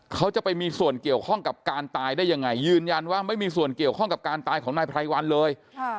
เขาจะไปมีส่วนเกี่ยวข้องกับการตายได้ยังไงยืนยันว่าไม่มีส่วนเกี่ยวข้องกับการตายของนายไพรวัลเลย